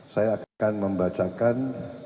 saya akan membacakan